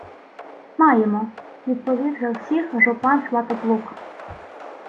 — Маємо, — відповів за всіх жупан Сватоплук.